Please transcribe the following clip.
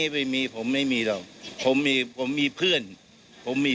ทั้งหมดทั้งเรือนไม่มี